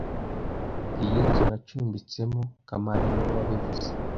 Ngiyo inzu nacumbitsemo kamana niwe wabivuze